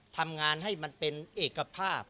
ทำงานให้มันเป็นเอกภาพ